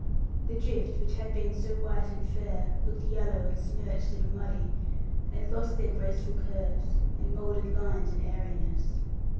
The drifts that had been so white and fair, looked yellow, and smirched, and muddy, and lost their graceful curves, and moulded lines, and airiness.